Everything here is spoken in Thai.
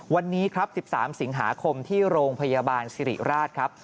วันนี้ครับ๑๓สิงหาคมที่โรงพยาบาลสิริราชครับ